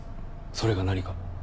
それが何か？